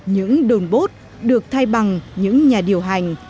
những đồn bốt được thay bằng những nhà điều hành